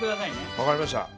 分かりました。